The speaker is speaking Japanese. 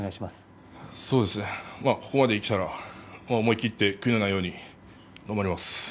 ここまで来たら思い切って悔いのないように頑張ります。